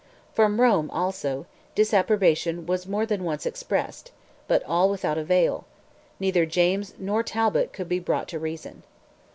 From Rome also, disapprobation was more than once expressed, but all without avail; neither James nor Talbot could be brought to reason.